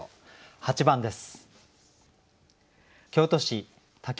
８番です。